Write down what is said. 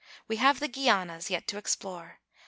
We have the Guianas yet to explore.